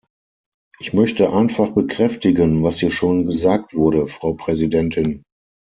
Ich möchte einfach bekräftigen, was hier schon gesagt wurde, Frau Präsidentin.